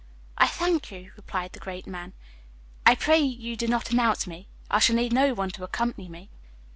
"I thank you," replied the great man. "I pray you do not announce me. I shall need no one to accompany me."